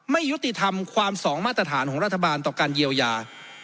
ไม่ยุติธรรมความสองมาตรฐานของรัฐบาลต่อการเยียวยา